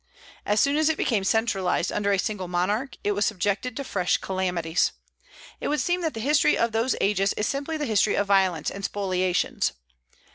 As soon as it became centralized under a single monarch, it was subjected to fresh calamities. It would seem that the history of those ages is simply the history of violence and spoliations.